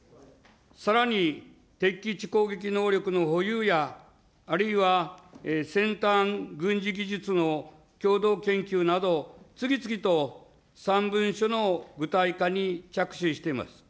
さらに、敵基地攻撃能力の保有や、あるいは先端軍事技術の共同研究など、次々と３文書の具体化に着手しています。